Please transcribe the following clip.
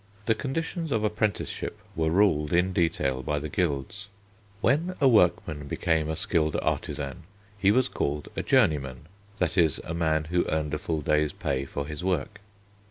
The conditions of apprenticeship were ruled in detail by the guilds. When a workman became a skilled artisan he was called a journeyman, that is, a man who earned a full day's pay for his work.